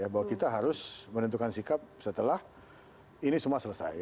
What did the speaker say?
bahwa kita harus menentukan sikap setelah ini semua selesai